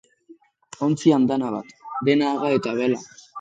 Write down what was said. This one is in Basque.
Ontzi andana bat, dena haga eta bela.